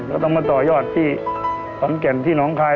เราต้องมาต่อยอดที่ขอนแก่นที่น้องคาย